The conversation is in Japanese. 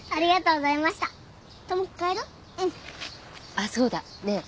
あっそうだねえ